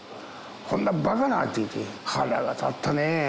こんなばかな！と言って、腹が立ったね。